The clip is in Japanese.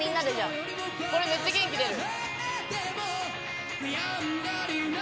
「これめっちゃ元気出る」